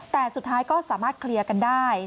แต่สุดท้ายก็สามารถเคลียร์กันได้